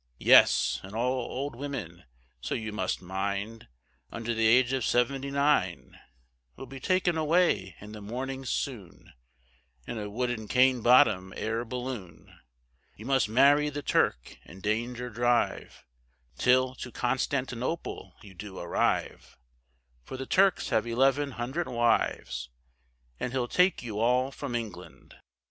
Yes, and all old women, so you must mind, Under the age of seventy nine, Will be taken away in the morning soon, In a wooden cane bottom air balloon, You must marry the Turk and danger drive, Till to Constantinople you do arrive, For the Turks have eleven hundred wives, And he'll take you all from England.